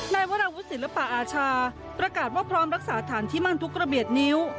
วราวุศิลปะอาชาประกาศว่าพร้อมรักษาฐานที่มั่นทุกระเบียบนิ้ว